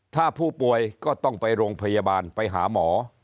ถ้าผู้ป่วยก็ต้องไปโรงพยาบาลไปหาหมอ